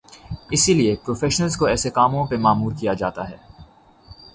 اسی لیے پروفیشنلز کو ایسے کاموں پہ مامور کیا جاتا ہے۔